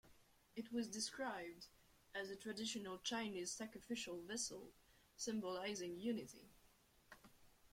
It was described as a traditional Chinese sacrificial vessel symbolizing unity.